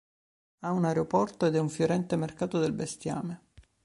Ha un aeroporto ed è un fiorente mercato del bestiame.